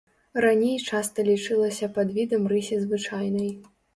Раней часта лічылася падвідам рысі звычайнай.